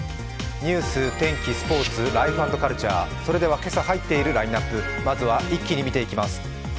ニュース、天気、スポーツ、ライフ＆カルチャー、今朝はいっているラインナップ、まずは一気に見ていきます。